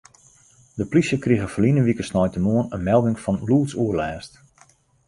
De plysje krige ferline wike sneintemoarn in melding fan lûdsoerlêst.